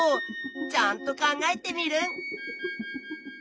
ちゃんと考えテミルン！